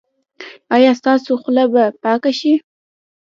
ایا ستاسو خوله به پاکه شي؟